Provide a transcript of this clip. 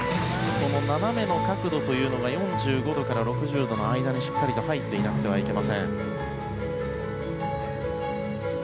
斜めの角度というのが４５度から６０度の間にしっかりと入っていなくてはいけません。